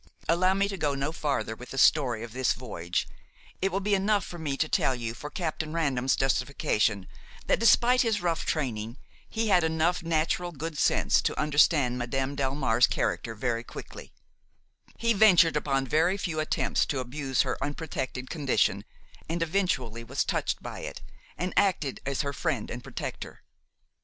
Allow me to go no farther with the story of this voyage. It will be enough for me to tell you, for Captain Random's justification, that, despite his rough training, he had enough natural good sense to understand Madame Delmare's character very quickly; he ventured upon very few attempts to abuse her unprotected condition and eventually was touched by it and acted as her friend and protector.